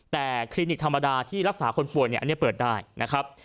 แต่คลินิกธรรมดาที่รักษาคนป่วยเนี่ยอันนี้เปิดได้นะครับ